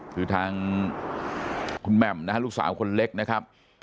คือทางคุณแหม่มนะฮะลูกสาวคนเล็กนะครับ